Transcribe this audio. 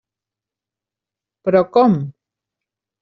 Però com?